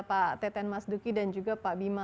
pak teten mas duki dan juga pak bima